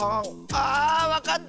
あわかった！